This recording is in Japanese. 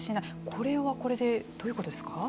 これはこれでどういうことですか。